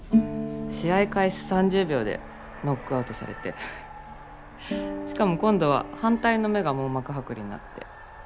試合開始３０秒でノックアウトされてしかも今度は反対の目が網膜剥離になって。